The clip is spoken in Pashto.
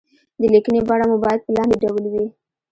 د ليکنې بڼه مو بايد په لاندې ډول وي.